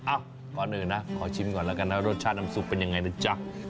ก่อนอื่นนะขอชิมก่อนแล้วกันนะรสชาติน้ำซุปเป็นยังไงนะจ๊ะ